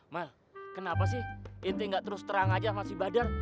mal kenapa sih inti gak terus terang aja sama si badar